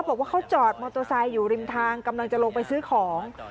บอกว่าเขาจอดมอเตอร์ไซค์อยู่ริมทางกำลังจะลงไปซื้อของ